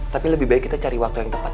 tapi lebih baik kita cari waktu yang tepat